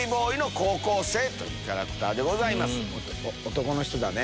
男の人だね。